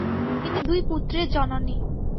তিনি দুই পুত্রের জননী।